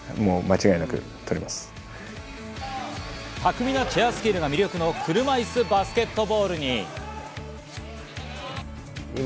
巧みなチェアスキルが魅力の車いすバスケットボール。